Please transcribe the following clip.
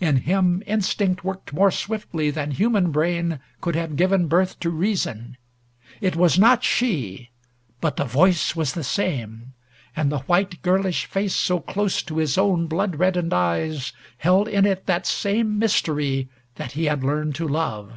In him instinct worked more swiftly than human brain could have given birth to reason. It was not she. But the voice was the same, and the white girlish face so close to his own blood reddened eyes held in it that same mystery that he had learned to love.